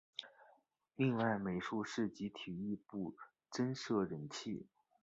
另外美术室及体育部增设冷气。